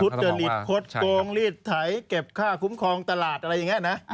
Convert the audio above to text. จริตคดโกงรีดไถเก็บค่าคุ้มครองตลาดอะไรอย่างนี้นะ